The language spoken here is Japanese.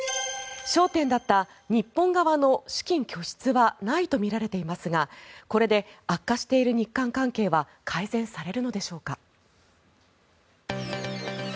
焦点だった日本側の資金拠出はないとみられていますがこれで悪化している日韓関係は改善されるのでしょうか。